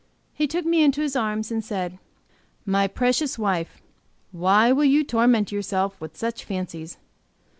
He took me into his arms and said: "My precious wife, why will you torment yourself with such fancies?